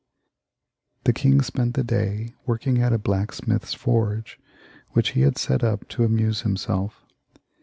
The king spent the day working at a blacksmith's forge, which he had set up to amuse himself.